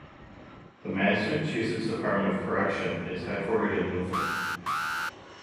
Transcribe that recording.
The Massachusetts Department of Correction is headquartered in Milford.